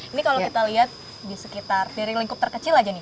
ini kalau kita lihat di sekitar piring lingkup terkecil aja nih